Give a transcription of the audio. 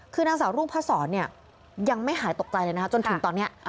คือนางสาวรุ่งพระศรเนี่ยยังไม่หายตกใจเลยนะคะจนถึงตอนนี้